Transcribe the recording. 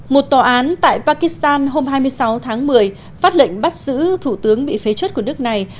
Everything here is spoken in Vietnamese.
một tòa án tại pakistan hôm hai mươi sáu tháng một mươi phát lệnh bắt giữ thủ tướng bị phế chất của nước này